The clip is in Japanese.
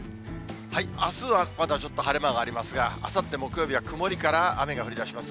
あすはまだちょっと晴れ間がありますが、あさって木曜日は曇りから雨が降りだします。